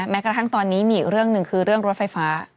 แม้กระทั่งตอนนี้มีอีกเรื่องหนึ่งคือเรื่องรถไฟฟ้า